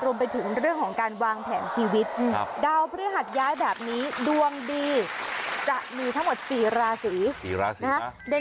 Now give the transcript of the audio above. รวมไปถึงเรื่องของการวางแผนชีวิตดาวพฤหัสย้ายแบบนี้ดวงดีจะมีทั้งหมด๔ราศีนะฮะ